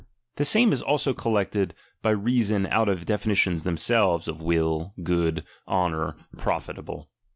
The same is also collected by reason out of the de finitions themselves of will, good, honour, profita ble.